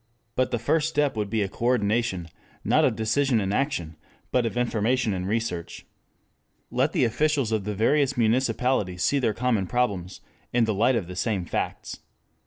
] But the first step would be a coordination, not of decision and action, but of information and research. Let the officials of the various municipalities see their common problems in the light of the same facts.